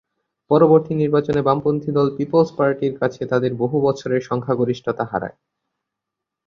পরবর্তী নির্বাচনে বামপন্থী দল পিপলস পার্টির কাছে তাদের বহু বছরের সংখ্যাগরিষ্ঠতা হারায়।